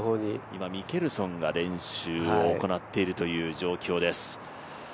今、ミケルソンが練習を行っているという状況です。